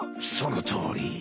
そのとおり！